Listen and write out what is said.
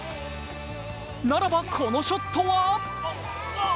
ならば、このショットは？